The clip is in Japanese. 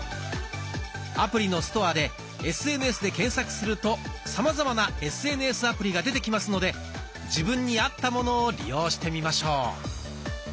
アプリのストアで「ＳＮＳ」で検索するとさまざまなＳＮＳアプリが出てきますので自分に合ったものを利用してみましょう。